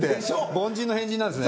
凡人の変人なんですね。